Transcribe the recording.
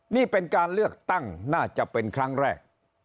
นี่เป็นการเลือกตั้งน่าจะเป็นครั้งแรก